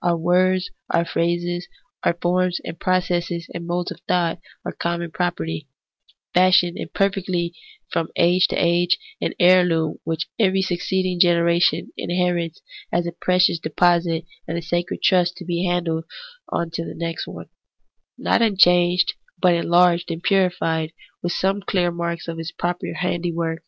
Our words, our phrases, our forms and processes and modes of thought, are common property, fashioned and per fected from age to age ; an heirloom which every suc ceeding generation inherits as a precious deposit and a sacred trust to be handed on to the next one, not un changed but enlarged and purified, with some clear marks of its proper handiwork.